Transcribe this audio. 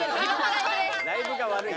ライブが悪い。